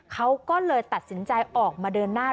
เขาก็เลยตัดสินใจออกมาเดินหน้า